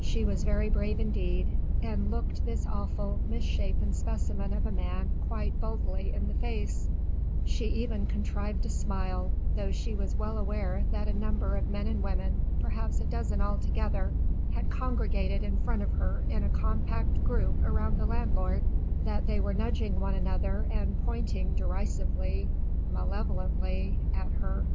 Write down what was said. She was very brave indeed and looked this awful misshapen specimen of a man quite boldly in the face: she even contrived to smile, though she was well aware that a number of men and women perhaps a dozen altogether had congregated in front of her in a compact group around the landlord, that they were nudging one another and pointing derisively malevolently at her.